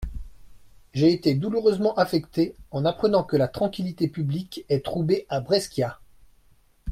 J'ai été douloureusement affecté en apprenant que la tranquillité publique est troublée à Brescia.